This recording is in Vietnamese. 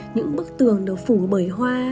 những bức tường được phủ bởi hoa